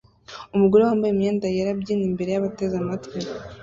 Umugore wambaye imyenda yera abyina imbere yabateze amatwi